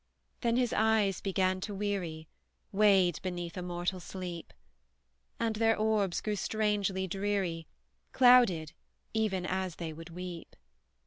Then his eyes began to weary, Weighed beneath a mortal sleep; And their orbs grew strangely dreary, Clouded, even as they would weep.